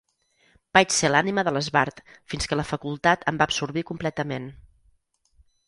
Vaig ser l'ànima de l'esbart fins que la facultat em va absorbir completament.